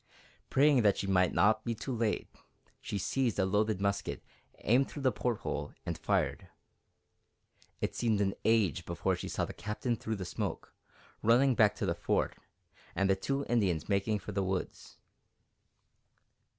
Praying that she might not be too late, she seized a loaded musket, aimed through the porthole, and fired. It seemed an age before she saw the Captain through the smoke, running back to the Fort, and the two Indians making for the woods.